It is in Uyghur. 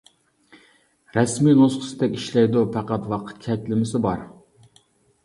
رەسمىي نۇسخىسىدەك ئىشلەيدۇ، پەقەت ۋاقىت چەكلىمىسى بار.